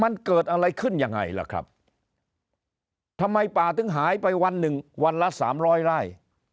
มันเกิดอะไรขึ้นยังไงล่ะครับทำไมป่าถึงหายไปวันหนึ่งวันละสามร้อยไร่